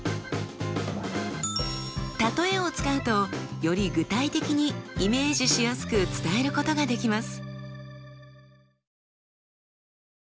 例えを使うとより具体的にイメージしやすく伝えることができます。